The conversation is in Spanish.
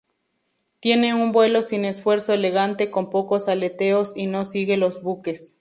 Tiene un vuelo sin esfuerzo elegante, con pocos aleteos y no sigue los buques.